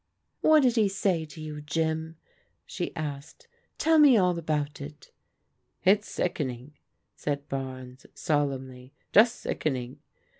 "What did he say to you, Jim?" she asked. "Tell me all about it." " It's sickening," said Barnes, solemnly, " just sicken ing.